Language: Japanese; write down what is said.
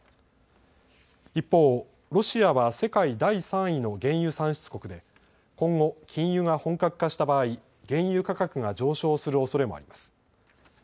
一方、ロシアは世界第３位の原油産出国で今後、禁輸が本格化した場合、原油価格が上昇するおそれもあります。